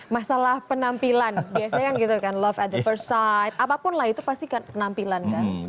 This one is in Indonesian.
masalah penampilan biasanya kan gitu kan love at the first side apapun lah itu pasti penampilan kan